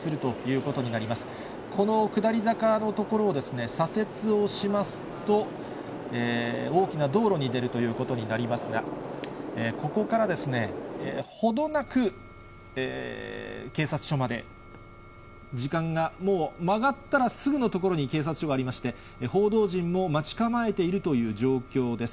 この下り坂の所を左折をしますと、大きな道路に出るということになりますが、ここからですね、程なく警察署まで、時間がもう曲がったらすぐの所に警察署がありまして、報道陣も待ち構えているという状況です。